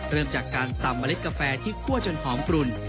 เริ่มจากการตำเมล็ดกาแฟที่คั่วจนหอมกลุ่น